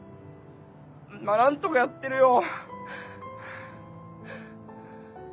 まぁ何とかやってるよ。